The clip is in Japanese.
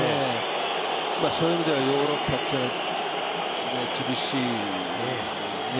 そういう意味ではヨーロッパって厳しいね。